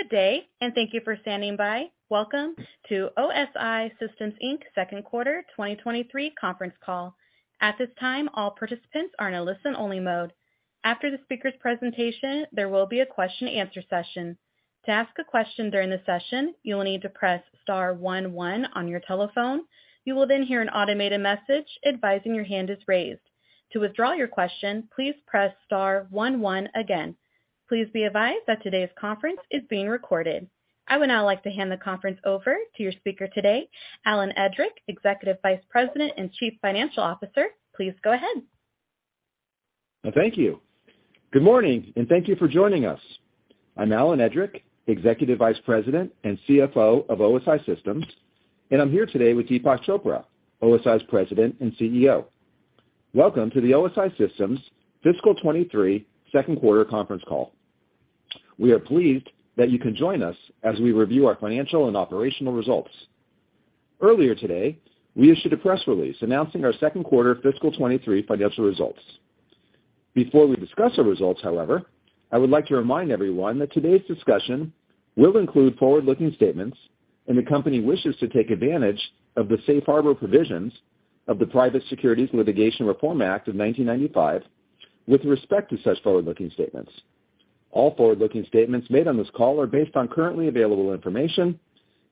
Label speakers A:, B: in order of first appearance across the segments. A: Good day, and thank you for standing by. Welcome to OSI Systems Inc. Second Quarter 2023 Conference Call. At this time, all participants are in a listen-only mode. After the speaker's presentation, there will be a question-and-answer session. To ask a question during the session, you will need to press star one one on your telephone. You will then hear an automated message advising your hand is raised. To withdraw your question, please press star one one again. Please be advised that today's conference is being recorded. I would now like to hand the conference over to your speaker today, Alan Edrick, Executive Vice President and Chief Financial Officer. Please go ahead.
B: Thank you. Good morning, and thank you for joining us. I'm Alan Edrick, Executive Vice President and CFO of OSI Systems, and I'm here today with Deepak Chopra, OSI's President and CEO. Welcome to the OSI Systems Fiscal 2023 second-quarter conference call. We are pleased that you can join us as we review our financial and operational results. Earlier today, we issued a press release announcing our second quarter fiscal 2023 financial results. Before we discuss the results, however, I would like to remind everyone that today's discussion will include forward-looking statements, and the company wishes to take advantage of the safe harbor provisions of the Private Securities Litigation Reform Act of 1995 with respect to such forward-looking statements. All forward-looking statements made on this call are based on currently available information,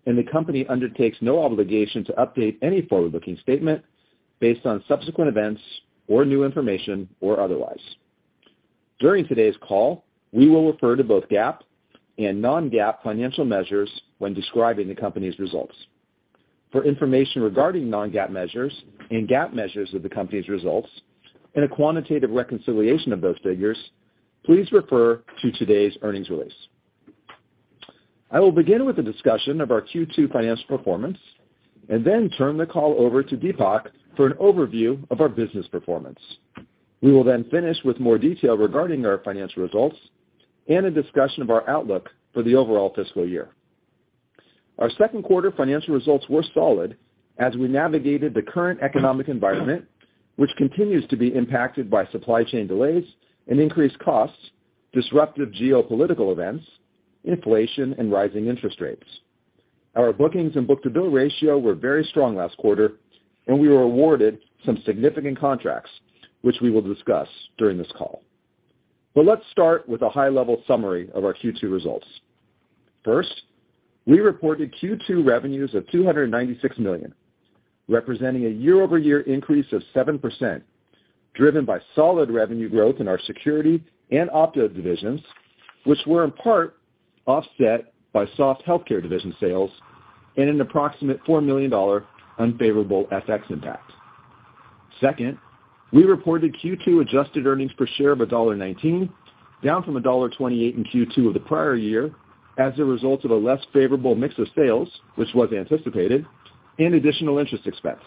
B: and the company undertakes no obligation to update any forward-looking statement based on subsequent events or new information or otherwise. During today's call, we will refer to both GAAP and non-GAAP financial measures when describing the company's results. For information regarding non-GAAP measures and GAAP measures of the company's results and a quantitative reconciliation of those figures, please refer to today's earnings release. I will begin with a discussion of our Q2 financial performance then turn the call over to Deepak for an overview of our business performance. We will finish with more detail regarding our financial results and a discussion of our outlook for the overall fiscal year. Our second quarter financial results were solid as we navigated the current economic environment, which continues to be impacted by supply chain delays and increased costs, disruptive geopolitical events, inflation, and rising interest rates. Our bookings and book-to-bill ratio were very strong last quarter, we were awarded some significant contracts, which we will discuss during this call. Let's start with a high-level summary of our Q2 results. First, we reported Q2 revenues of $296 million, representing a year-over-year increase of 7%, driven by solid revenue growth in our Security and Opto divisions, which were in part offset by soft Healthcare division sales and an approximate $4 million unfavorable FX impact. We reported Q2 adjusted earnings per share of $1.19, down from $1.28 in Q2 of the prior year as a result of a less favorable mix of sales, which was anticipated, and additional interest expense.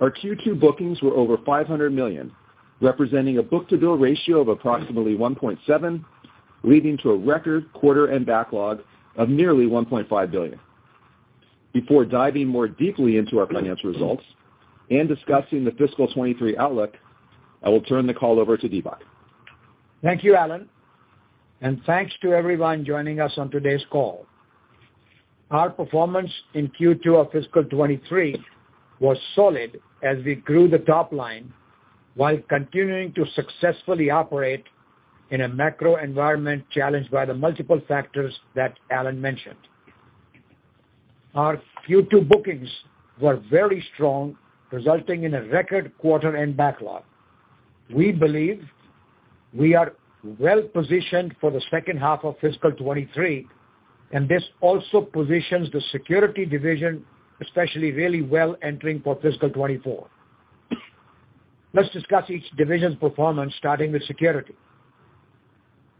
B: Our Q2 bookings were over $500 million, representing a book-to-bill ratio of approximately 1.7, leading to a record quarter and backlog of nearly $1.5 billion. Before diving more deeply into our financial results and discussing the fiscal 2023 outlook, I will turn the call over to Deepak.
C: Thank you, Alan, and thanks to everyone joining us on today's call. Our performance in Q2 of fiscal 2023 was solid as we grew the top line while continuing to successfully operate in a macro environment challenged by the multiple factors that Alan mentioned. Our Q2 bookings were very strong, resulting in a record quarter end backlog. We believe we are well-positioned for the second half of fiscal 2023, and this also positions the Security division, especially really well entering for fiscal 2024. Let's discuss each division's performance, starting with security.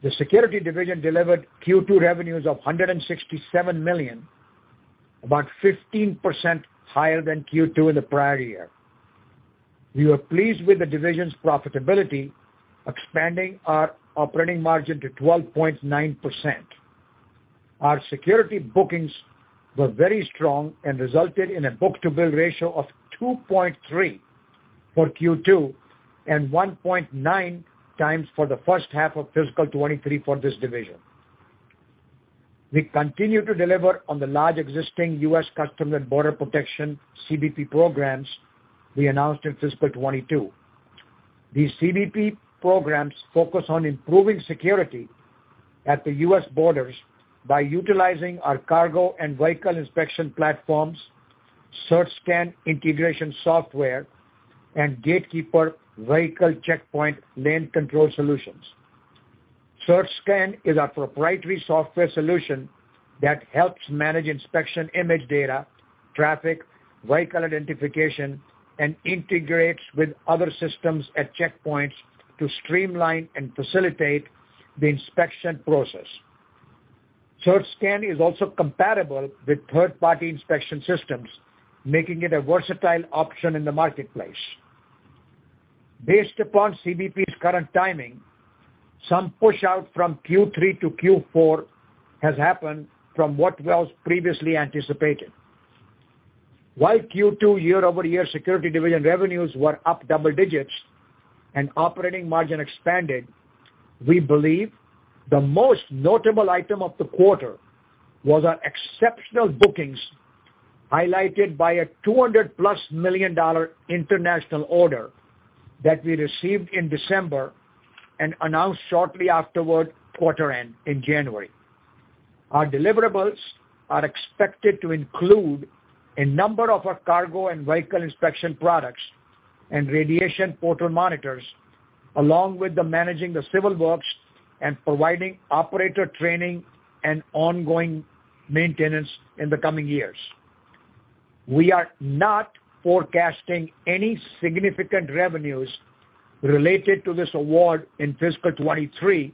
C: The Security division delivered Q2 revenues of $167 million, about 15% higher than Q2 in the prior year. We were pleased with the division's profitability, expanding our operating margin to 12.9%. Our Security bookings were very strong and resulted in a book-to-bill ratio of 2.3 for Q2 and 1.9x for the first half of fiscal 2023 for this division. We continue to deliver on the large existing U.S. Customs and Border Protection CBP programs we announced in fiscal 2022. These CBP programs focus on improving Security at the U.S. borders by utilizing our cargo and vehicle inspection platforms, CertScan integration software, and Gatekeeper vehicle checkpoint lane control solutions. CertScan is a proprietary software solution that helps manage inspection image data, traffic, vehicle identification, and integrates with other systems at checkpoints to streamline and facilitate the inspection process. CertScan is also compatible with third-party inspection systems, making it a versatile option in the marketplace. Based upon CBP's current timing, some push out from Q3 to Q4 has happened from what was previously anticipated. Q2 year-over-year Security division revenues were up double digits and operating margin expanded. We believe the most notable item of the quarter was our exceptional bookings, highlighted by a $200-plus million international order that we received in December and announced shortly afterward quarter-end in January. Our deliverables are expected to include a number of our cargo and vehicle inspection products and radiation portal monitors, along with the managing the civil works and providing operator training and ongoing maintenance in the coming years. We are not forecasting any significant revenues related to this award in fiscal 2023.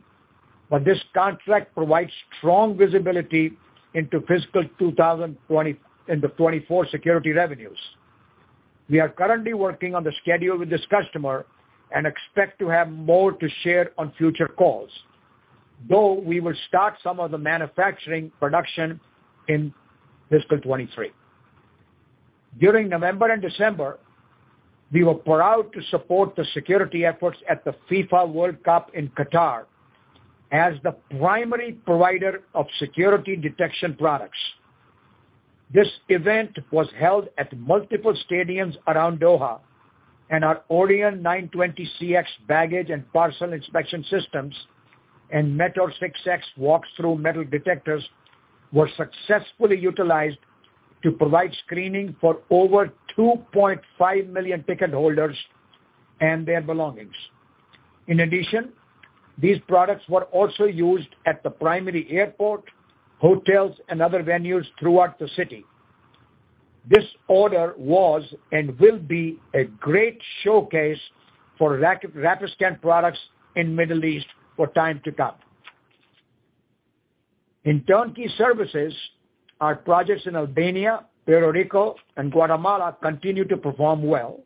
C: This contract provides strong visibility into fiscal 2024 Security revenues. We are currently working on the schedule with this customer and expect to have more to share on future calls, though we will start some of the manufacturing production in fiscal 23. During November and December, we were proud to support the Security efforts at the FIFA World Cup in Qatar as the primary provider of Security detection products. This event was held at multiple stadiums around Doha, and our Orion 920CX baggage and parcel inspection systems and Metor 6X walk-through metal detectors were successfully utilized to provide screening for over 2.5 million ticket holders and their belongings. In addition, these products were also used at the primary airport, hotels, and other venues throughout the city. This order was and will be a great showcase for Rapiscan products in Middle East for time to come. In turnkey services, our projects in Albania, Puerto Rico, and Guatemala continue to perform well.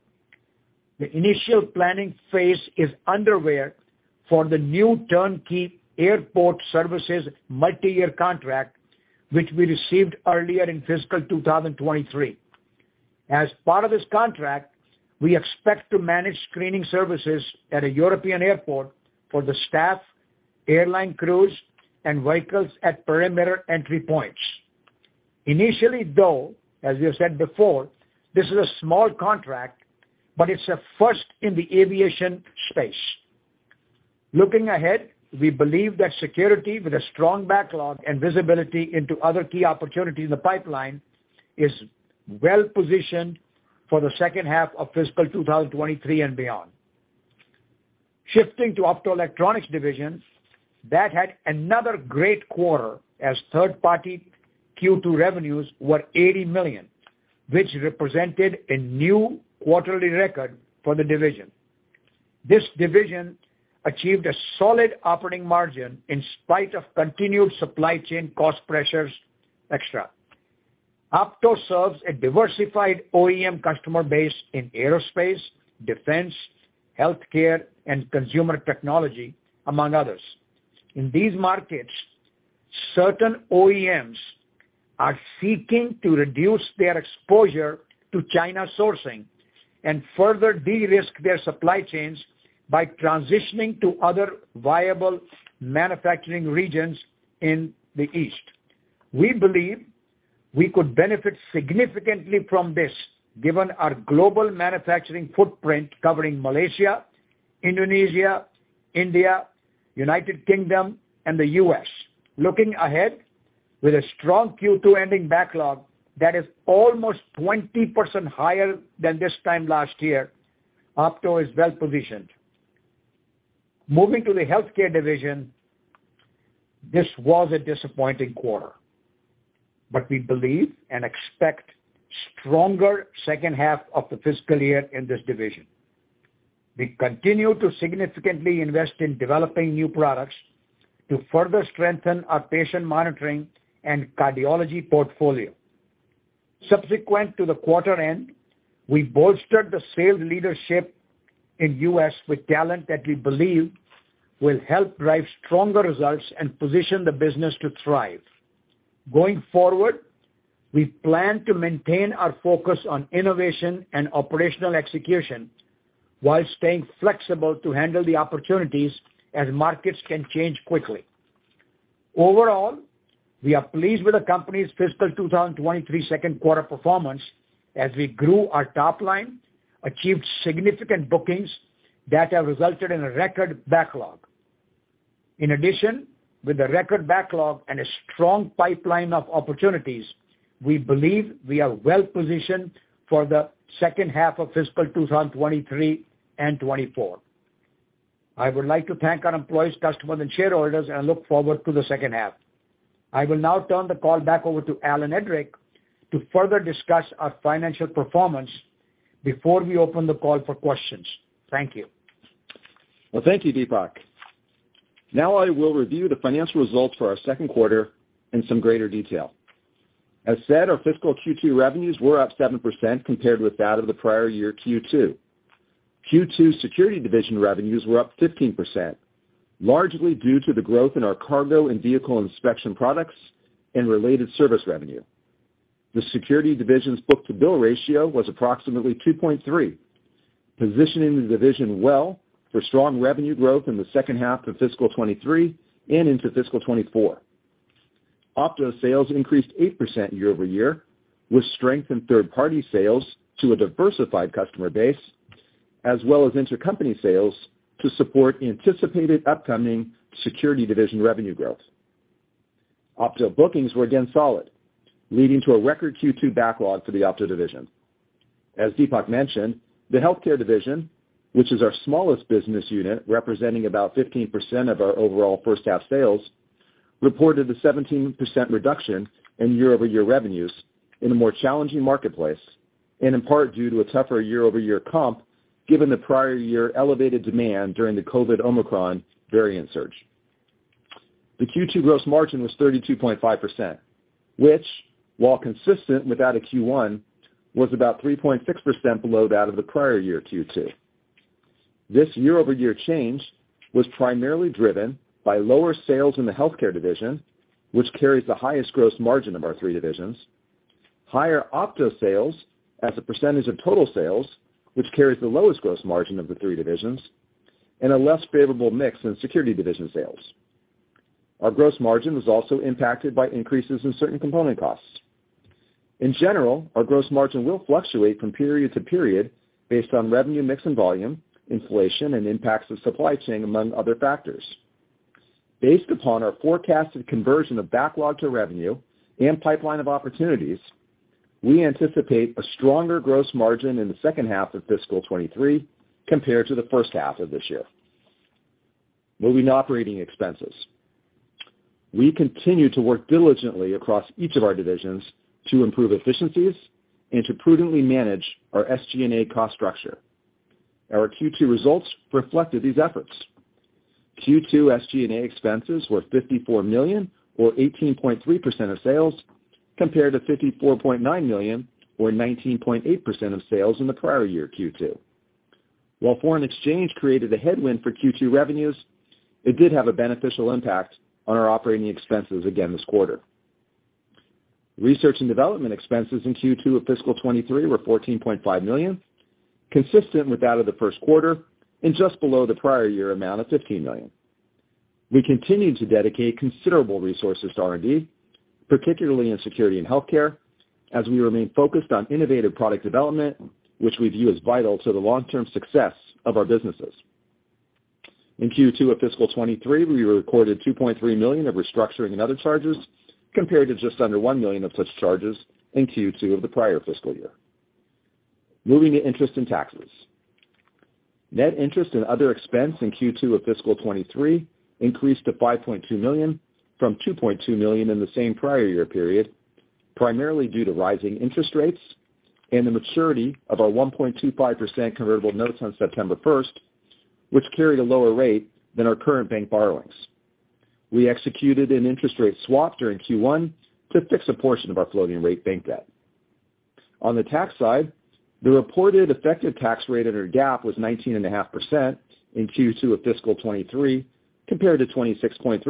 C: The initial planning phase is underway for the new turnkey airport services multiyear contract, which we received earlier in fiscal 2023. As part of this contract, we expect to manage screening services at a European airport for the staff, airline crews, and vehicles at perimeter entry points. Initially, though, as we have said before, this is a small contract, but it's a first in the aviation space. Looking ahead, we believe that Security with a strong backlog and visibility into other key opportunities in the pipeline is well-positioned for the second half of fiscal 2023 and beyond. Shifting to Optoelectronics division, that had another great quarter as third-party Q2 revenues were $80 million, which represented a new quarterly record for the division. This division achieved a solid operating margin in spite of continued supply chain cost pressures, et cetera. Opto serves a diversified OEM customer base in aerospace, defense, healthcare, and consumer technology, among others. In these markets, certain OEMs are seeking to reduce their exposure to China sourcing and further de-risk their supply chains by transitioning to other viable manufacturing regions in the East. We believe we could benefit significantly from this, given our global manufacturing footprint covering Malaysia, Indonesia, India, United Kingdom, and the U.S. Looking ahead, with a strong Q2 ending backlog that is almost 20% higher than this time last year, Opto is well positioned. Moving to the Healthcare division, this was a disappointing quarter, but we believe and expect stronger second half of the fiscal year in this division. We continue to significantly invest in developing new products to further strengthen our patient monitoring and cardiology portfolio. Subsequent to the quarter end, we bolstered the sales leadership in U.S. with talent that we believe will help drive stronger results and position the business to thrive. Going forward, we plan to maintain our focus on innovation and operational execution while staying flexible to handle the opportunities as markets can change quickly. Overall, we are pleased with the company's fiscal 2023 second quarter performance as we grew our top line, achieved significant bookings that have resulted in a record backlog. With a record backlog and a strong pipeline of opportunities, we believe we are well positioned for the second half of fiscal 2023 and 2024. I would like to thank our employees, customers, and shareholders, and look forward to the second half. I will now turn the call back over to Alan Edrick to further discuss our financial performance before we open the call for questions. Thank you.
B: Thank you, Deepak. Now I will review the financial results for our second quarter in some greater detail. As said, our fiscal Q2 revenues were up 7% compared with that of the prior year Q2. Q2 Security division revenues were up 15%, largely due to the growth in our cargo and vehicle inspection products and related service revenue. The Security division's book-to-bill ratio was approximately 2.3, positioning the division well for strong revenue growth in the second half of fiscal 2023 and into fiscal 2024. Opto sales increased 8% year-over-year, with strength in third-party sales to a diversified customer base, as well as intercompany sales to support anticipated upcoming Security division revenue growth. Opto bookings were again solid, leading to a record Q2 backlog for the Opto division. As Deepak mentioned, the Healthcare division, which is our smallest business unit representing about 15% of our overall first half sales, reported a 17% reduction in year-over-year revenues in a more challenging marketplace and in part due to a tougher year-over-year comp, given the prior year elevated demand during the COVID-19 Omicron variant surge. The Q2 gross margin was 32.5%, which, while consistent with that of Q1, was about 3.6% below that of the prior year Q2. This year-over-year change was primarily driven by lower sales in the Healthcare division, which carries the highest gross margin of our three divisions, higher Opto sales as a percentage of total sales, which carries the lowest gross margin of the three divisions, and a less favorable mix in Security division sales. Our gross margin was also impacted by increases in certain component costs. In general, our gross margin will fluctuate from period to period based on revenue mix and volume, inflation, and impacts of supply chain, among other factors. Based upon our forecasted conversion of backlog to revenue and pipeline of opportunities, we anticipate a stronger gross margin in the second half of fiscal 2023 compared to the first half of this year. Moving to operating expenses. We continue to work diligently across each of our divisions to improve efficiencies and to prudently manage our SG&A cost structure. Our Q2 results reflected these efforts. Q2 SG&A expenses were $54 million or 18.3% of sales, compared to $54.9 million or 19.8% of sales in the prior year Q2. While foreign exchange created a headwind for Q2 revenues, it did have a beneficial impact on our operating expenses again this quarter. Research and development expenses in Q2 of fiscal 2023 were $14.5 million, consistent with that of the first quarter and just below the prior year amount of $15 million. We continue to dedicate considerable resources to R&D, particularly in Security and Healthcare, as we remain focused on innovative product development, which we view as vital to the long-term success of our businesses. In Q2 of fiscal 2023, we recorded $2.3 million of restructuring and other charges, compared to just under $1 million of such charges in Q2 of the prior fiscal year. Moving to interest and taxes. Net interest and other expense in Q2 of fiscal 2023 increased to $5.2 million from $2.2 million in the same prior year period, primarily due to rising interest rates and the maturity of our 1.25% convertible notes on September 1st, which carried a lower rate than our current bank borrowings. We executed an interest rate swap during Q1 to fix a portion of our floating rate bank debt. On the tax side, the reported effective tax rate under GAAP was 19.5% in Q2 of fiscal 2023, compared to 26.3%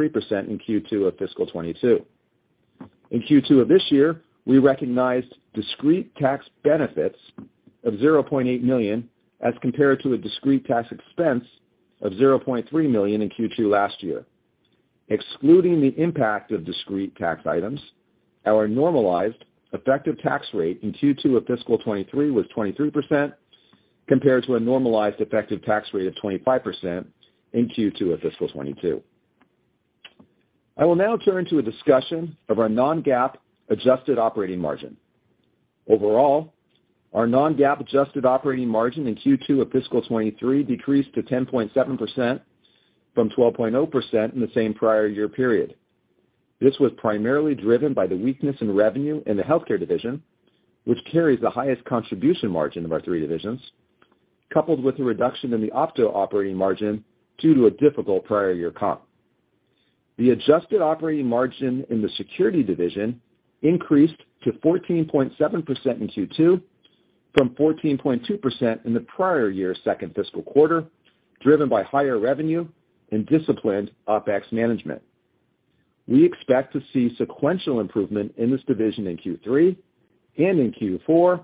B: in Q2 of fiscal 2022. In Q2 of this year, we recognized discrete tax benefits of $0.8 million as compared to a discrete tax expense of $0.3 million in Q2 last year. Excluding the impact of discrete tax items, our normalized effective tax rate in Q2 of fiscal 2023 was 23% compared to a normalized effective tax rate of 25% in Q2 of fiscal 2022. I will now turn to a discussion of our non-GAAP adjusted operating margin. Overall, our non-GAAP adjusted operating margin in Q2 of fiscal 2023 decreased to 10.7% from 12.0% in the same prior year period. This was primarily driven by the weakness in revenue in the Healthcare division, which carries the highest contribution margin of our three divisions, coupled with a reduction in the Opto operating margin due to a difficult prior year comp. The adjusted operating margin in the Security division increased to 14.7% in Q2 from 14.2% in the prior year's second fiscal quarter, driven by higher revenue and disciplined OpEx management. We expect to see sequential improvement in this division in Q3 and in Q4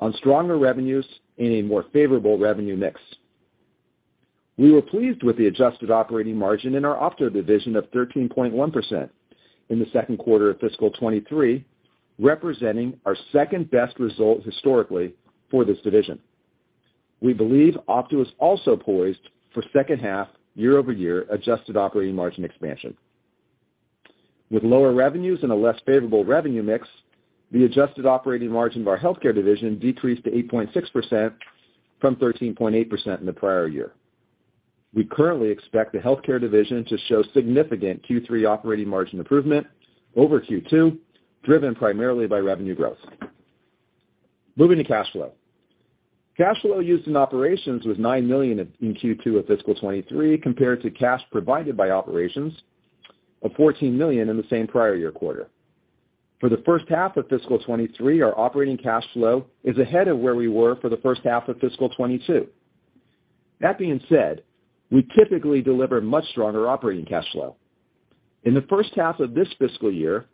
B: on stronger revenues and a more favorable revenue mix. We were pleased with the adjusted operating margin in our Opto division of 13.1% in the second quarter of fiscal 2023, representing our second-best result historically for this division. We believe Opto is also poised for second half year-over-year adjusted operating margin expansion. With lower revenues and a less favorable revenue mix, the adjusted operating margin of our Healthcare division decreased to 8.6% from 13.8% in the prior year. We currently expect the Healthcare division to show significant Q3 operating margin improvement over Q2, driven primarily by revenue growth. Moving to cash flow. Cash flow used in operations was $9 million in Q2 of fiscal 2023, compared to cash provided by operations of $14 million in the same prior year quarter. For the first half of fiscal 2023, our operating cash flow is ahead of where we were for the first half of fiscal 2022. That being said, we typically deliver much stronger operating cash flow. In the first half of this fiscal year,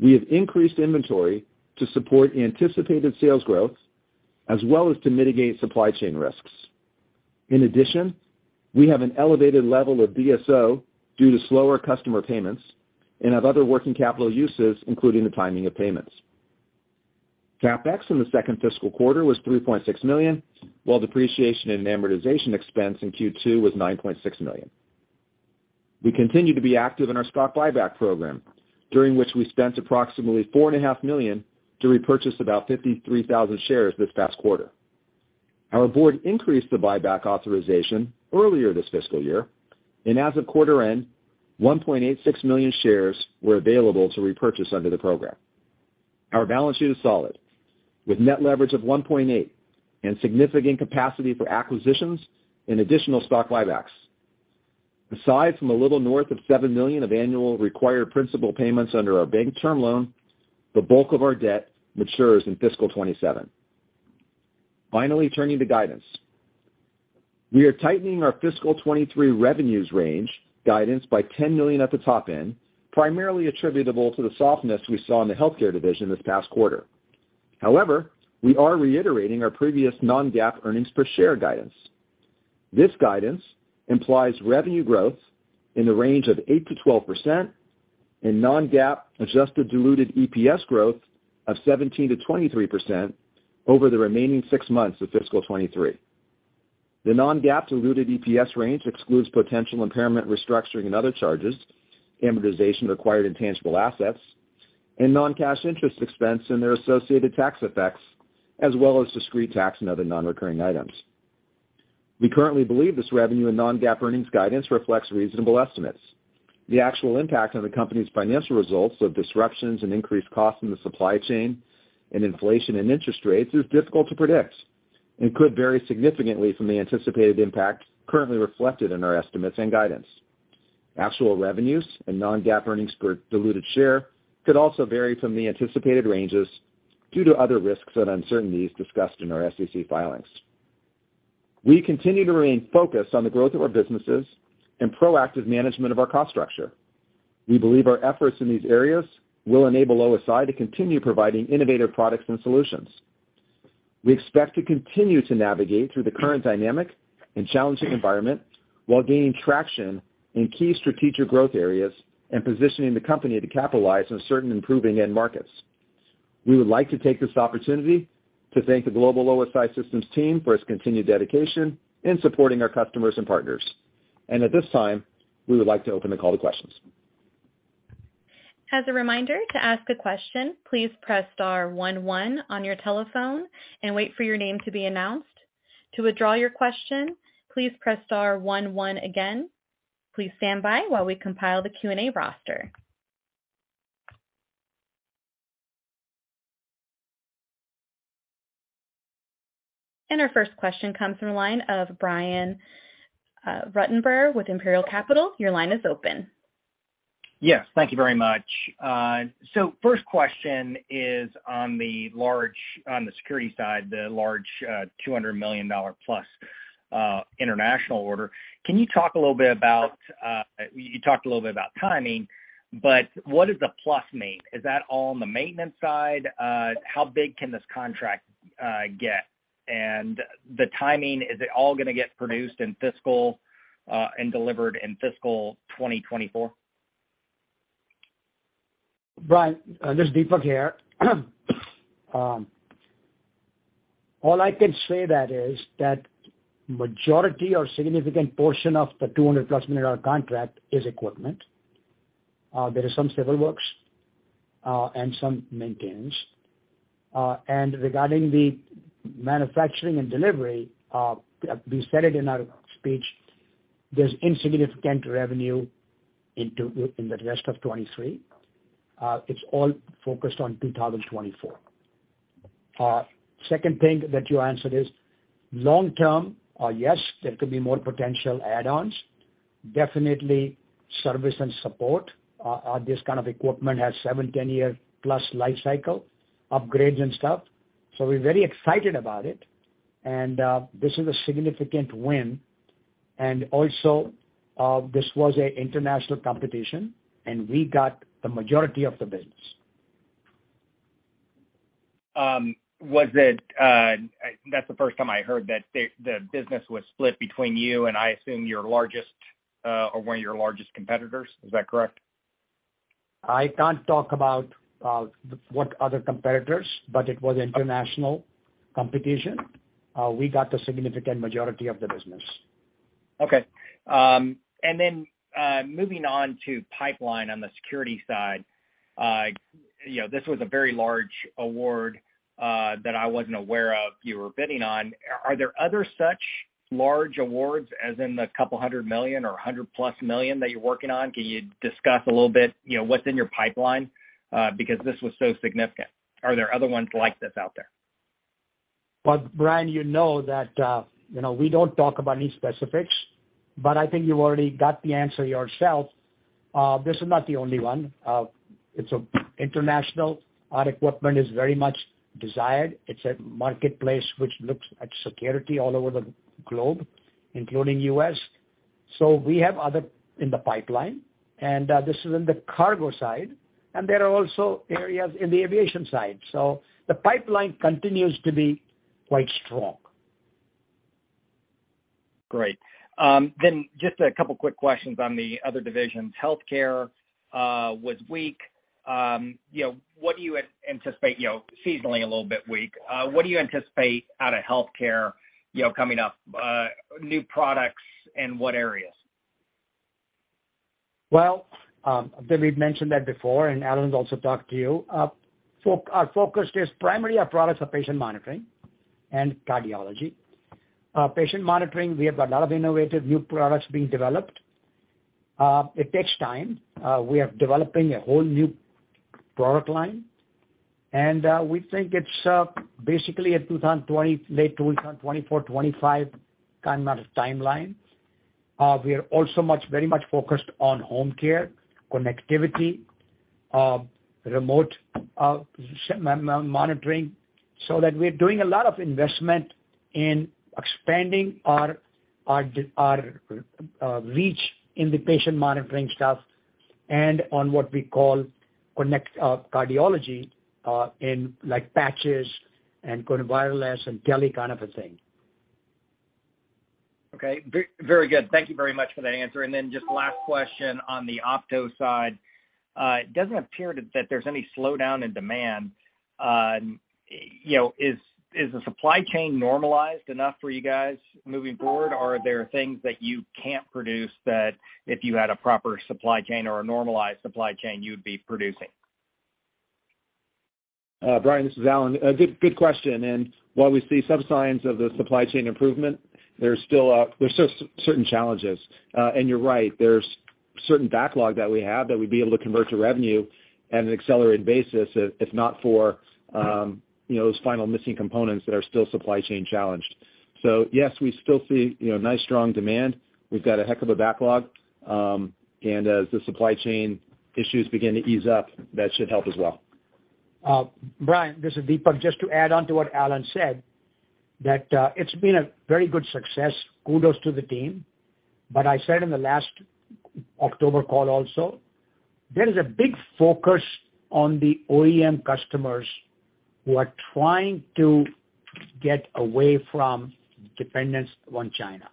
B: we have increased inventory to support anticipated sales growth as well as to mitigate supply chain risks. In addition, we have an elevated level of DSO due to slower customer payments and have other working capital uses, including the timing of payments. CapEx in the second fiscal quarter was $3.6 million, while depreciation and amortization expense in Q2 was $9.6 million. We continue to be active in our stock buyback program, during which we spent approximately $4.5 million to repurchase about 53,000 shares this past quarter. Our board increased the buyback authorization earlier this fiscal year, and as of quarter end, 1.86 million shares were available to repurchase under the program. Our balance sheet is solid, with net leverage of 1.8 and significant capacity for acquisitions and additional stock buybacks. Aside from a little north of $7 million of annual required principal payments under our bank term loan, the bulk of our debt matures in fiscal 2027. Turning to guidance. We are tightening our fiscal 2023 revenues range guidance by $10 million at the top end, primarily attributable to the softness we saw in the Healthcare division this past quarter. We are reiterating our previous non-GAAP earnings per share guidance. This guidance implies revenue growth in the range of 8%-12% and non-GAAP adjusted diluted EPS growth of 17%-23% over the remaining six months of fiscal 2023. The non-GAAP diluted EPS range excludes potential impairment restructuring and other charges, amortization required intangible assets, and non-cash interest expense and their associated tax effects, as well as discrete tax and other non-recurring items. We currently believe this revenue and non-GAAP earnings guidance reflects reasonable estimates. The actual impact on the company's financial results of disruptions and increased costs in the supply chain and inflation and interest rates is difficult to predict and could vary significantly from the anticipated impact currently reflected in our estimates and guidance. Actual revenues and non-GAAP earnings per diluted share could also vary from the anticipated ranges due to other risks and uncertainties discussed in our SEC filings. We continue to remain focused on the growth of our businesses and proactive management of our cost structure. We believe our efforts in these areas will enable OSI to continue providing innovative products and solutions. We expect to continue to navigate through the current dynamic and challenging environment while gaining traction in key strategic growth areas and positioning the company to capitalize on certain improving end markets. We would like to take this opportunity to thank the global OSI Systems team for its continued dedication in supporting our customers and partners. At this time, we would like to open the call to questions.
A: As a reminder, to ask a question, please press star one one on your telephone and wait for your name to be announced. To withdraw your question, please press star one one again. Please stand by while we compile the Q&A roster. Our first question comes from the line of Brian Ruttenburg with Imperial Capital. Your line is open.
D: Yes, thank you very much. First question is on the large, on the Security side, the large, $200 million+, international order. Can you talk a little bit about, you talked a little bit about timing, but what does the plus mean? Is that all on the maintenance side? How big can this contract get? The timing, is it all gonna get produced in fiscal, and delivered in fiscal 2024?
C: Brian, this is Deepak here. All I can say that is that majority or significant portion of the $200 million-plus contract is equipment. There is some civil works and some maintenance. Regarding the manufacturing and delivery, we said it in our speech, there's insignificant revenue in the rest of 2023. It's all focused on 2024. Second thing that you answered is long term, yes, there could be more potential add-ons. Definitely service and support. This kind of equipment has seven, 10-year plus lifecycle upgrades and stuff. We're very excited about it and this is a significant win. This was an international competition, and we got the majority of the business.
D: That's the first time I heard that the business was split between you and I assume your largest, or one of your largest competitors. Is that correct?
C: I can't talk about what other competitors. It was international competition. We got the significant majority of the business.
D: Okay. Moving on to pipeline on the Security side. You know, this was a very large award that I wasn't aware of you were bidding on. Are there other such large awards as in the couple $100 million or $100 million+ that you're working on? Can you discuss a little bit, you know, what's in your pipeline? Because this was so significant. Are there other ones like this out there?
C: Brian, you know that, you know, we don't talk about any specifics, but I think you already got the answer yourself. This is not the only one. It's international. Our equipment is very much desired. It's a marketplace which looks at security all over the globe, including U.S. We have other in the pipeline, and, this is in the cargo side, and there are also areas in the aviation side. The pipeline continues to be quite strong.
D: Great. Just a couple of quick questions on the other divisions. Healthcare was weak. You know, what do you anticipate, you know, seasonally a little bit weak? What do you anticipate out of Healthcare, you know, coming up, new products, in what areas?
C: Well, I believe we've mentioned that before. Alan has also talked to you. Our focus is primarily our products are patient monitoring and cardiology. Patient monitoring, we have a lot of innovative new products being developed. It takes time. We are developing a whole new product line. We think it's basically a 2020, late 2024-2025 timeline. We are also much, very much focused on home care, connectivity, remote monitoring. We're doing a lot of investment in expanding our, our reach in the patient monitoring stuff and on what we call connect cardiology, in like patches and going wireless and tele kind of a thing.
D: Okay. very good. Thank you very much for that answer. Just last question on the Opto side. It doesn't appear that there's any slowdown in demand. You know, is the supply chain normalized enough for you guys moving forward? Are there things that you can't produce that if you had a proper supply chain or a normalized supply chain, you would be producing?
B: Brian, this is Alan. A good question. While we see some signs of the supply chain improvement, there's still certain challenges. You're right, there's certain backlog that we have that we'd be able to convert to revenue at an accelerated basis if not for, you know, those final missing components that are still supply chain challenged. Yes we still see, you know, nice, strong demand. We've got a heck of a backlog. As the supply chain issues begin to ease up, that should help as well.
C: Brian, this is Deepak. Just to add on to what Alan said, that it's been a very good success. Kudos to the team. I said in the last October call also, there is a big focus on the OEM customers who are trying to get away from dependence on China.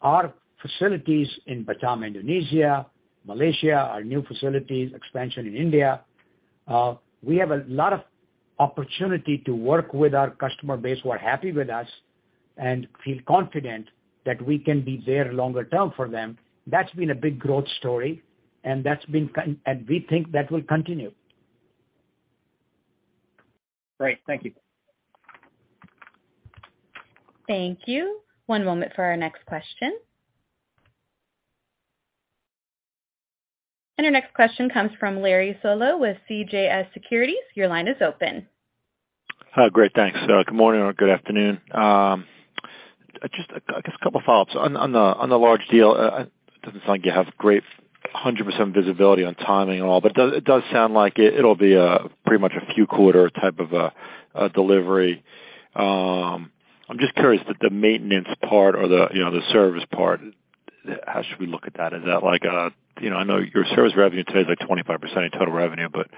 C: Our facilities in Batam, Indonesia, Malaysia, our new facilities expansion in India, we have a lot of opportunity to work with our customer base who are happy with us and feel confident that we can be there longer term for them. That's been a big growth story, and we think that will continue.
D: Great. Thank you.
A: Thank you. One moment for our next question. Our next question comes from Larry Solow with CJS Securities. Your line is open.
E: Hi. Great. Thanks. Good morning or good afternoon. Just I guess a couple of follow-ups. On the large deal, doesn't sound like you have great 100% visibility on timing and all, but it does sound like it'll be pretty much a few quarter type of a delivery. I'm just curious, the maintenance part or the, you know, the service part, how should we look at that? Is that like, you know, I know your service revenue today is like 25% of total revenue, but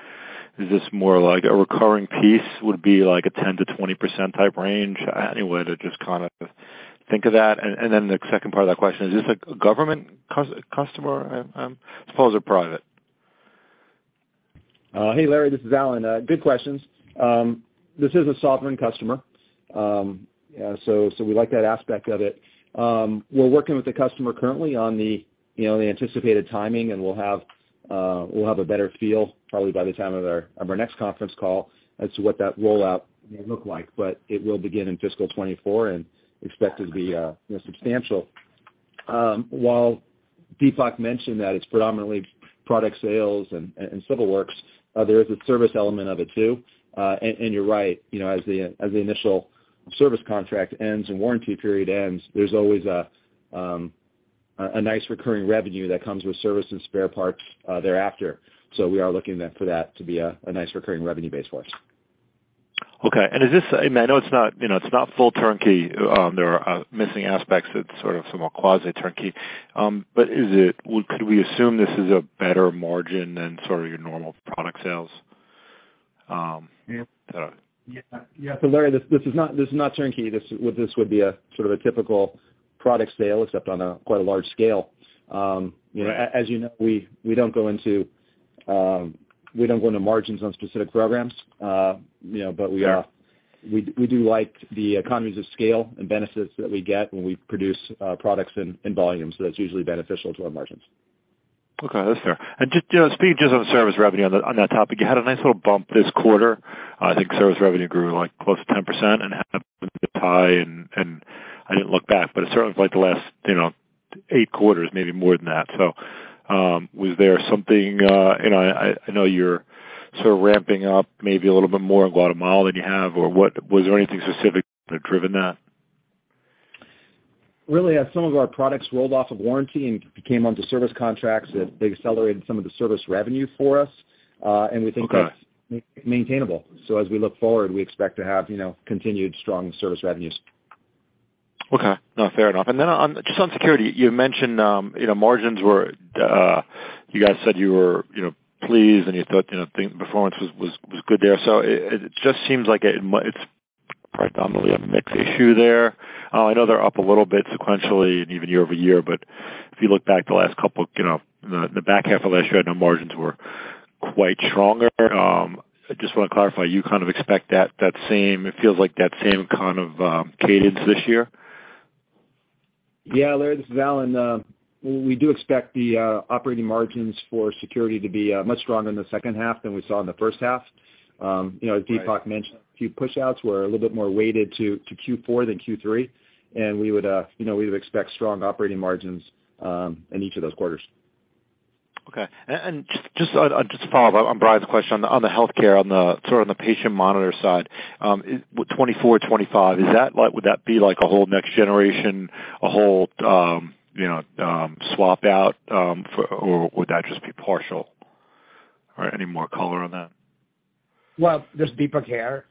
E: is this more like a recurring piece would be like a 10%-20% type range? Any way to just kind of think of that. Then the second part of that question, is this a government customer, suppose, or private?
B: Hey, Larry, this is Alan. Good questions. This is a sovereign customer. We like that aspect of it. We're working with the customer currently on the, you know, the anticipated timing, and we'll have a better feel probably by the time of our next conference call as to what that rollout may look like. It will begin in fiscal 2024 and expect to be, you know, substantial. Deepak mentioned that it's predominantly product sales and civil works, there is a service element of it too. You're right, you know, as the initial service contract ends and warranty period ends, there's always a nice recurring revenue that comes with service and spare parts thereafter. We are looking then for that to be a nice recurring revenue base for us.
E: Okay. I mean, I know it's not, you know, it's not full turnkey. There are missing aspects that sort of somewhat quasi turnkey. Could we assume this is a better margin than sort of your normal product sales?
B: Yeah. Larry, this is not turnkey. This would be a sort of a typical product sale, except on a quite a large scale. You know, as you know, we don't go into margins on specific programs, you know, but we are.
E: Sure.
B: We do like the economies of scale and benefits that we get when we produce products in volume, so that's usually beneficial to our margins.
E: Okay. That's fair. Just, you know, speaking just on the service revenue on that, on that topic, you had a nice little bump this quarter. I think service revenue grew, like, close to 10% and hit a multi-year high. I didn't look back, but it's sort of like the last, you know, eight quarters, maybe more than that. Was there something, and I know you're sort of ramping up maybe a little bit more in Guatemala than you have, or was there anything specific that driven that?
B: Really, as some of our products rolled off of warranty and came onto service contracts that they accelerated some of the service revenue for us.
E: Okay.
B: That's maintainable. As we look forward, we expect to have, you know, continued strong service revenues.
E: Okay. No, fair enough. Just on security, you mentioned, you know, margins were, you guys said you were, you know, pleased and you thought, you know, performance was good there. It just seems like it's predominantly a mix issue there. I know they're up a little bit sequentially and even year-over-year, but if you look back the last couple, you know, the back half of last year, I know margins were quite stronger. I just wanna clarify, you kind of expect that same, it feels like that same kind of cadence this year.
B: Yeah, Larry, this is Alan. We do expect the operating margins for Security to be much stronger in the second half than we saw in the first half. You know, as Deepak mentioned, a few push outs were a little bit more weighted to Q4 than Q3. We would, you know, we would expect strong operating margins in each of those quarters.
E: Okay. Just to follow up on Brian's question on the healthcare, on the sort of on the patient monitor side, with 2024, 2025, would that be like a whole next generation, a whole, you know, swap out, or would that just partial? Any more color on that?
C: Well, this is Deepak here.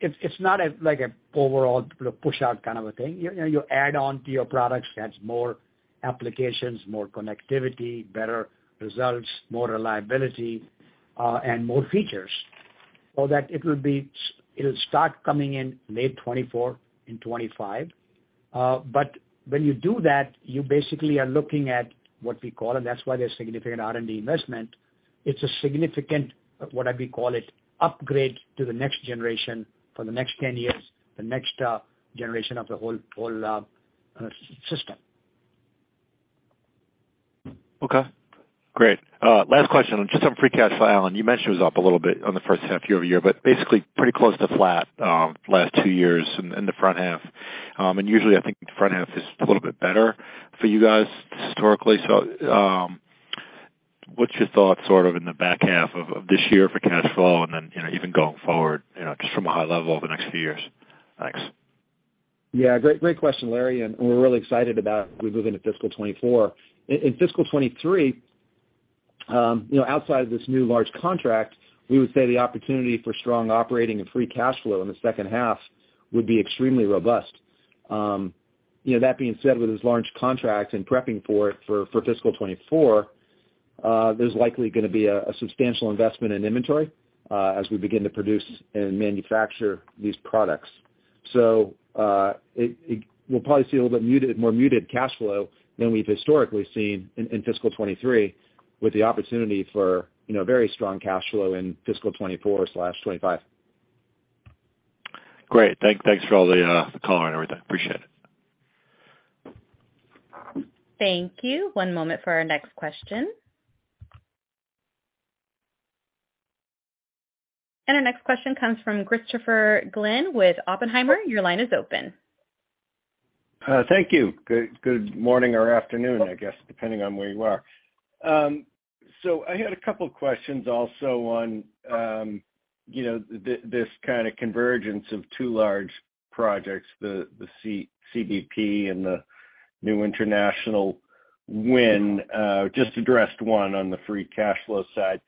C: It's not a, like a overall push out kind of a thing. You know, you add on to your products, adds more applications, more connectivity, better results, more reliability, and more features. That it'll start coming in late 2024 and 2025. When you do that, you basically are looking at what we call, and that's why there's significant R&D investment. It's a significant, what I'd be call it, upgrade to the next generation for the next 10 years, the next generation of the whole system.
E: Okay, great. Last question. Just on free cash for Alan. You mentioned it was up a little bit on the first half year-over-year, but basically pretty close to flat, last two years in the front half. Usually I think the front half is a little bit better for you guys historically. What's your thoughts sort of in the back half of this year for cash flow and then, you know, even going forward, you know, just from a high level over the next few years? Thanks.
B: Yeah. Great question, Larry, and we're really excited about we move into fiscal 2024. In fiscal 2023, you know, outside of this new large contract, we would say the opportunity for strong operating and free cash flow in the second half would be extremely robust. You know, that being said, with this large contract and prepping for it for fiscal 2024, there's likely gonna be a substantial investment in inventory, as we begin to produce and manufacture these products. it we'll probably see a little bit muted, more muted cash flow than we've historically seen in fiscal 2023 with the opportunity for, you know, very strong cash flow in fiscal 2024/2025.
E: Great. Thanks for all the color and everything. Appreciate it.
A: Thank you. One moment for our next question. Our next question comes from Christopher Glynn with Oppenheimer. Your line is open.
F: Thank you. Good morning or afternoon, I guess, depending on where you are. I had a couple questions also on, you know, this kinda convergence of two large projects, the CBP and the new international win, just addressed one on the free cash flow side.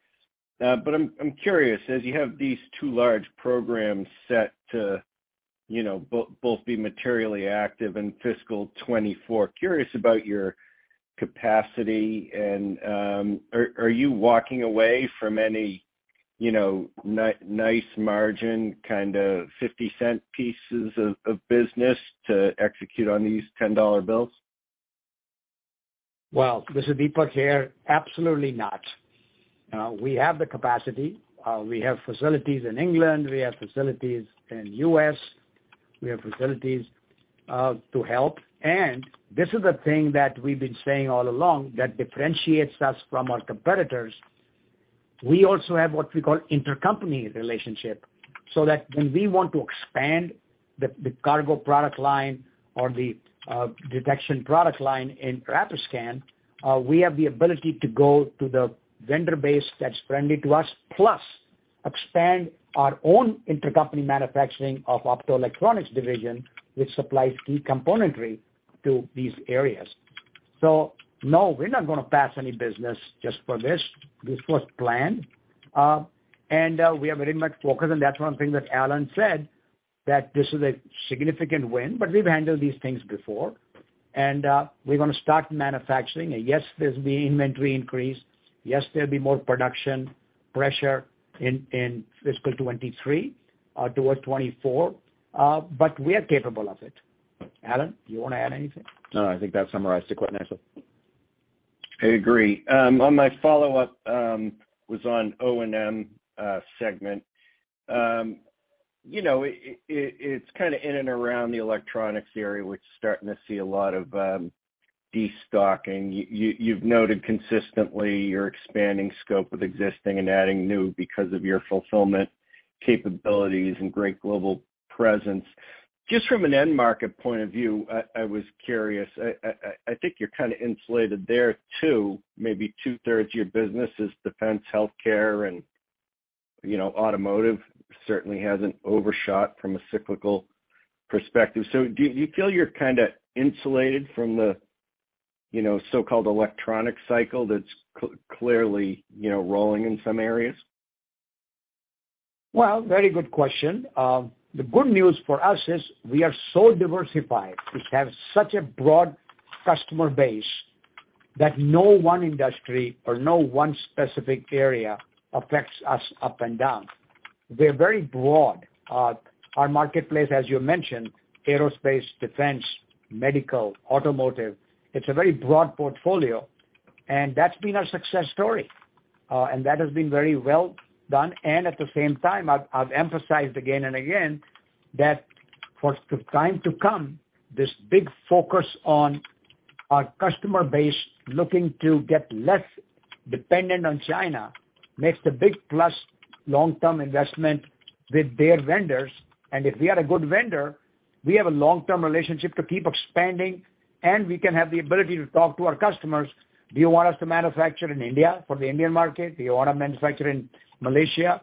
F: I'm curious, as you have these two large programs set to, you know, both be materially active in fiscal 2024, curious about your capacity and, are you walking away from any, you know, nice margin, kinda $0.50 pieces of business to execute on these $10 bills?
C: Well, this is Deepak here. Absolutely not. We have the capacity. We have facilities in England, we have facilities in U.S., we have facilities to help. This is the thing that we've been saying all along that differentiates us from our competitors. We also have what we call intercompany relationship, so that when we want to expand the cargo product line or the detection product line in Rapiscan, we have the ability to go to the vendor base that's friendly to us, plus expand our own intercompany manufacturing of Optoelectronics division, which supplies key componentry to these areas. No, we're not gonna pass any business just for this. This was planned. We are very much focused, and that's one thing that Alan said, that this is a significant win, but we've handled these things before. We're gonna start manufacturing. Yes, there's be inventory increase. Yes, there'll be more production pressure in fiscal 2023 towards 2024, but we are capable of it. Alan, do you wanna add anything?
B: No, I think that summarized it quite nicely.
F: I agree. On my follow-up was on O&M segment. You know, it's kinda in and around the electronics area, which is starting to see a lot of destocking. You've noted consistently you're expanding scope with existing and adding new because of your fulfillment. Capabilities and great global presence. Just from an end market point of view, I was curious. I think you're kind of insulated there too. Maybe two-thirds of your business is defense, healthcare, and, you know, automotive certainly hasn't overshot from a cyclical perspective. Do you feel you're kinda insulated from the, you know, so-called electronic cycle that's clearly, you know, rolling in some areas?
C: Well, very good question. The good news for us is we are so diversified. We have such a broad customer base that no one industry or no one specific area affects us up and down. We're very broad. Our marketplace, as you mentioned, aerospace, defense, medical, automotive, it's a very broad portfolio, and that's been our success story. That has been very well done. At the same time, I've emphasized again and again that for time to come, this big focus on our customer base looking to get less dependent on China makes the big plus long-term investment with their vendors. If we are a good vendor, we have a long-term relationship to keep expanding, and we can have the ability to talk to our customers. Do you want us to manufacture in India for the Indian market? Do you wanna manufacture in Malaysia,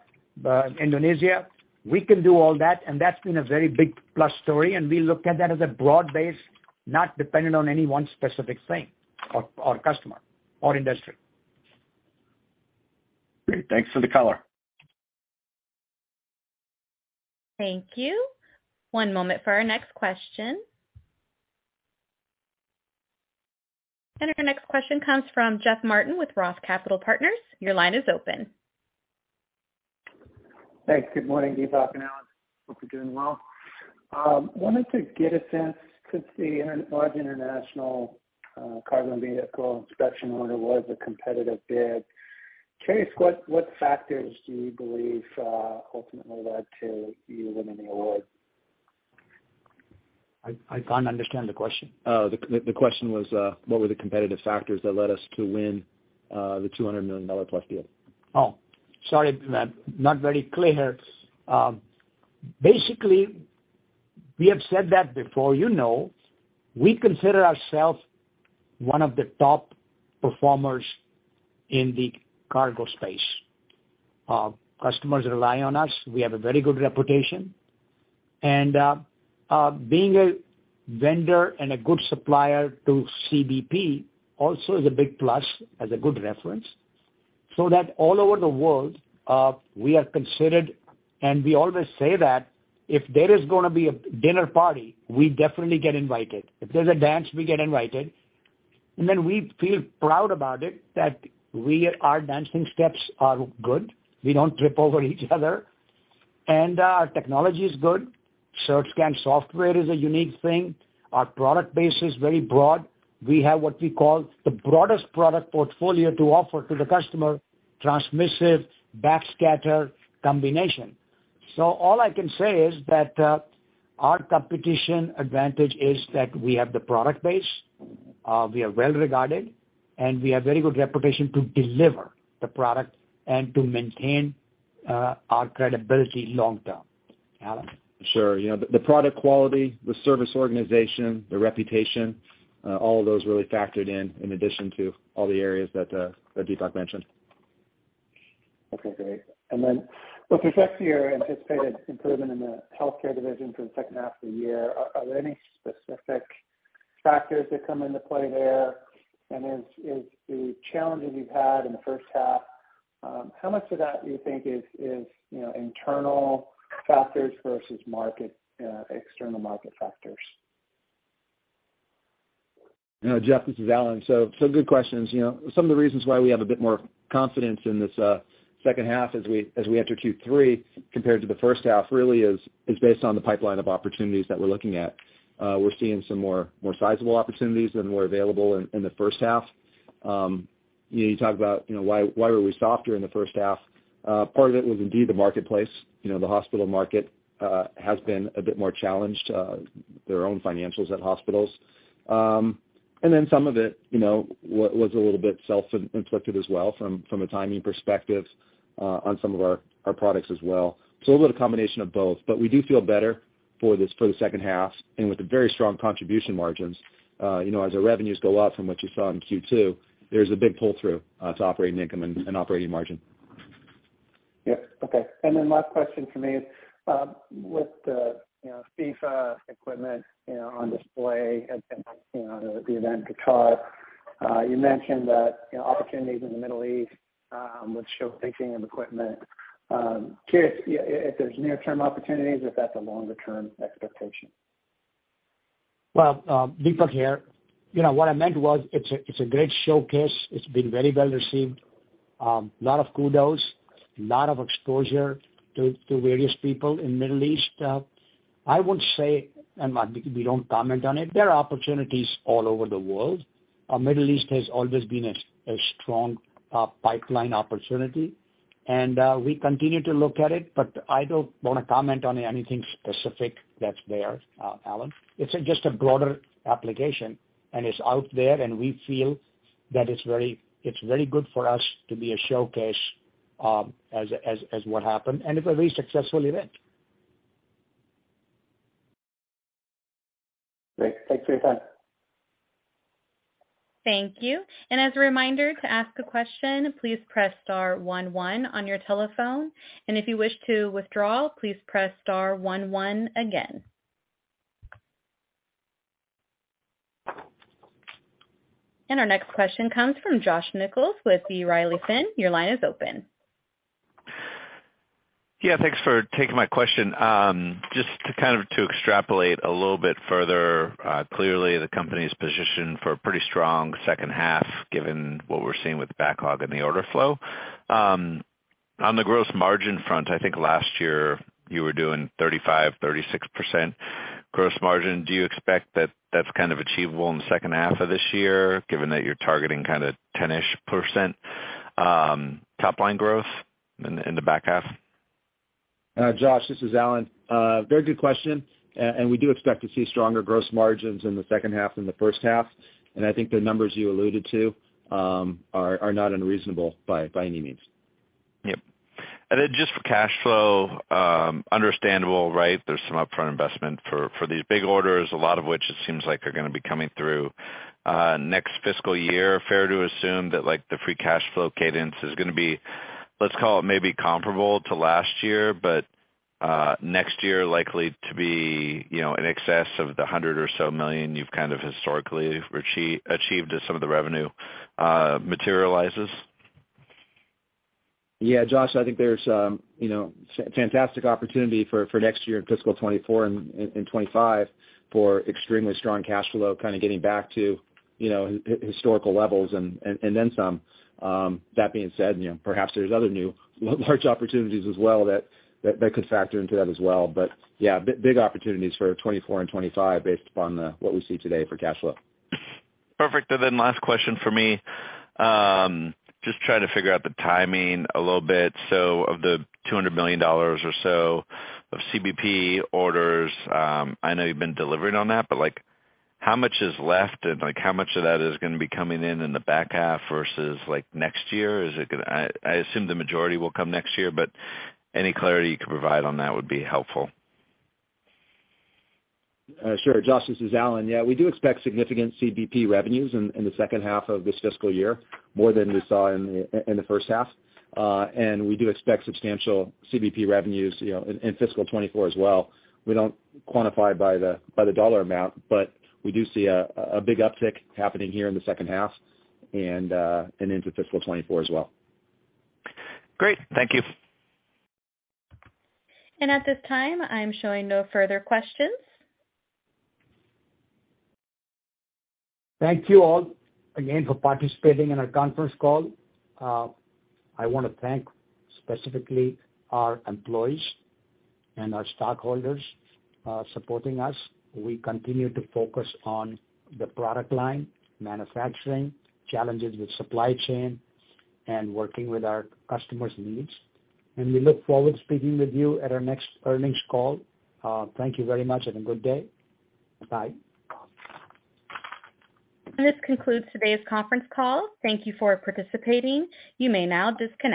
C: Indonesia? We can do all that. That's been a very big plus story. We look at that as a broad base, not dependent on any one specific thing or customer or industry.
F: Great. Thanks for the color.
A: Thank you. One moment for our next question. Our next question comes from Jeff Martin with Roth Capital Partners. Your line is open.
G: Thanks. Good morning, Deepak and Alan. Hope you're doing well. Wanted to get a sense, since the large international cargo and vehicle inspection order was a competitive bid, curious what factors do you believe ultimately led to you winning the award?
C: I can't understand the question.
B: The question was, what were the competitive factors that led us to win, the $200 million+ deal?
C: Sorry, not very clear. Basically, we have said that before, you know, we consider ourself one of the top performers in the cargo space. Customers rely on us. We have a very good reputation. Being a vendor and a good supplier to CBP also is a big plus as a good reference, so that all over the world, we are considered, and we always say that if there is gonna be a dinner party, we definitely get invited. If there's a dance, we get invited. Then we feel proud about it that our dancing steps are good. We don't trip over each other. Our technology is good. CertScan software is a unique thing. Our product base is very broad. We have what we call the broadest product portfolio to offer to the customer, transmissive, backscatter combination. All I can say is that our competition advantage is that we have the product base, we are well-regarded, and we have very good reputation to deliver the product and to maintain our credibility long term. Alan?
B: Sure. You know, the product quality, the service organization, the reputation, all of those really factored in addition to all the areas that Deepak mentioned.
G: Okay, great. With respect to your anticipated improvement in the Healthcare division for the second half of the year, are there any specific factors that come into play there? Is the challenges you've had in the first half, how much of that do you think is, you know, internal factors versus market, external market factors?
B: Jeff, this is Alan. Good questions. You know, some of the reasons why we have a bit more confidence in this second half as we enter Q3 compared to the first half really is based on the pipeline of opportunities that we're looking at. We're seeing some more sizable opportunities than were available in the first half. You know, you talk about, you know, why were we softer in the first half? Part of it was indeed the marketplace. You know, the hospital market has been a bit more challenged, their own financials at hospitals. Some of it, you know, was a little bit self-inflicted as well from a timing perspective on some of our products as well. A little combination of both, but we do feel better for this, for the second half and with the very strong contribution margins, you know, as our revenues go up from what you saw in Q2, there's a big pull-through to operating income and operating margin.
G: Yeah. Okay. Last question for me. With the, you know, FIFA equipment, you know, on display at, you know, the event in Qatar, you mentioned that, you know, opportunities in the Middle East, with showcasing of equipment. Curious if there's near-term opportunities or if that's a longer term expectation?
C: Well, Deepak here. You know, what I meant was it's a great showcase. It's been very well received. Lot of kudos, lot of exposure to various people in Middle East. I would say, we don't comment on it, there are opportunities all over the world. Middle East has always been a strong pipeline opportunity, we continue to look at it, but I don't wanna comment on anything specific that's there, Alan. It's just a broader application, and it's out there, and we feel that is very, it's very good for us to be a showcase, as what happened, it was a very successful event.
G: Great. Thanks for your time.
A: Thank you. As a reminder, to ask a question, please press star one one on your telephone. If you wish to withdraw, please press star one one again. Our next question comes from Josh Nichols with B. Riley Securities. Your line is open.
H: Yeah, thanks for taking my question. Just to kind of, to extrapolate a little bit further, clearly the company's positioned for a pretty strong second half given what we're seeing with backlog and the order flow. On the gross margin front, I think last year you were doing 35%-36% gross margin. Do you expect that that's kind of achievable in the second half of this year, given that you're targeting kinda 10%-ish top line growth in the back half?
B: Josh, this is Alan. Very good question. We do expect to see stronger gross margins in the second half than the first half. I think the numbers you alluded to are not unreasonable by any means.
H: Yep. Just for cash flow, understandable, right? There's some upfront investment for these big orders, a lot of which it seems like are gonna be coming through next fiscal year. Fair to assume that like the free cash flow cadence is gonna be, let's call it maybe comparable to last year, but next year likely to be, you know, in excess of the $100 million or so you've kind of historically achieved as some of the revenue materializes?
B: Yeah, Josh, I think there's, you know, fantastic opportunity for next year in fiscal 2024 and 2025 for extremely strong cash flow, kinda getting back to, you know, historical levels and then some. That being said, you know, perhaps there's other new large opportunities as well that could factor into that as well. Yeah, big opportunities for 2024 and 2025 based upon what we see today for cash flow.
H: Perfect. Last question for me. Just trying to figure out the timing a little bit. Of the $200 million or so of CBP orders, I know you've been delivering on that, but like how much is left and like how much of that is gonna be coming in in the back half versus like next year? I assume the majority will come next year, but any clarity you can provide on that would be helpful.
B: Sure. Josh, this is Alan. We do expect significant CBP revenues in the second half of this fiscal year, more than we saw in the first half. We do expect substantial CBP revenues, you know, in fiscal 2024 as well. We don't quantify by the dollar amount, but we do see a big uptick happening here in the second half and into fiscal 2024 as well.
H: Great. Thank you.
A: At this time, I'm showing no further questions.
C: Thank you all again for participating in our conference call. I wanna thank specifically our employees and our stockholders, supporting us. We continue to focus on the product line, manufacturing, challenges with supply chain, and working with our customers' needs. We look forward to speaking with you at our next earnings call. Thank you very much, and good day. Bye.
A: This concludes today's conference call. Thank you for participating. You may now disconnect.